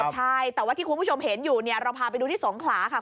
ใช่แต่ที่คุณผู้ชมเห็นเราพาไปส่งคล้าคุณผู้ชม